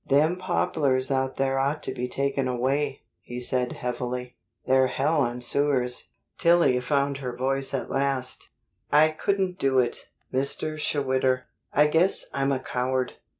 "Them poplars out there ought to be taken away," he said heavily. "They're hell on sewers." Tillie found her voice at last: "I couldn't do it, Mr. Schwitter. I guess I'm a coward.